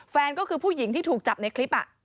แฟนก็คือผู้หญิงที่ถูกจับในคลิป